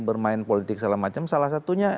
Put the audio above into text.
bermain politik segala macam salah satunya